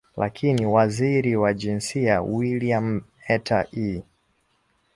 Lakini Waziri wa Jinsia Williametta E